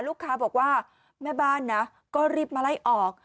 ลูกค้าบอกว่าแม่บ้านนะก็รีบมาไล่ออก